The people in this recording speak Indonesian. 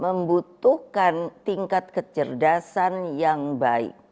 membutuhkan tingkat kecerdasan yang baik